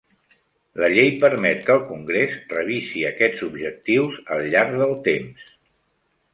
La llei permet que el Congrés revisi aquests objectius al llarg del temps.